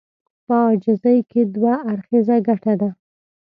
په عاجزي کې دوه اړخيزه ګټه ده.